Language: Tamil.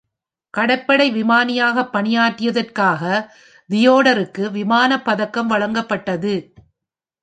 கடற்படை விமானியாக பணியாற்றியதற்காக, தியோடருக்கு விமான பதக்கம் வழங்கப்பட்டது.